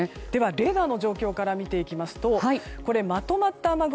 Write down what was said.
レーダーの状況から見ていきますとまとまった雨雲。